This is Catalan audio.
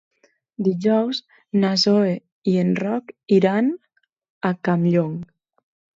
Dijous na Zoè i en Roc iran a Campllong.